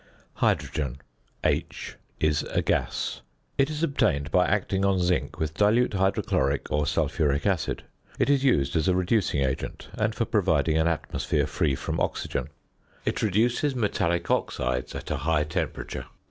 ~Hydrogen~ (H) is a gas. It is obtained by acting on zinc with dilute hydrochloric or sulphuric acid. It is used as a reducing agent, and for providing an atmosphere free from oxygen. It reduces metallic oxides at a high temperature.